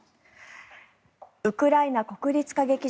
ウクライナ国立歌劇場